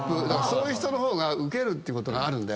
そういう人の方がウケるってことがある。